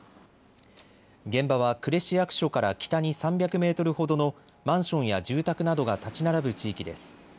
現場は呉市役所から北に３００メートルほどのマンションや住宅などが建ち並ぶ地域です。